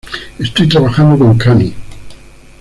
Estoy trabajando con Kanye.